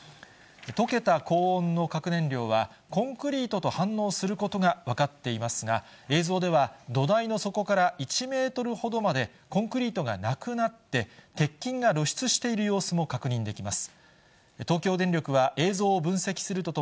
溶けた高温の核燃料は、コンクリートと反応することが分かっていますが、映像では、土台の底から１メートルほどまでコンクリートがなくなって、鉄筋が露出している様子も確認できます。